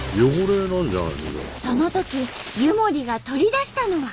そのとき湯守が取り出したのは。